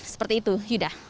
seperti itu sudah